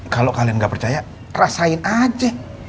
kalau kalian nggak percaya rasain aja